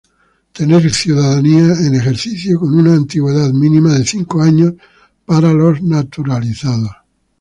Tener ciudadanía en ejercicio con una antigüedad mínima de cinco años, para los naturalizados.